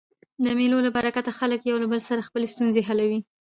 د مېلو له برکته خلک له یو بل سره خپلي ستونزي حلوي.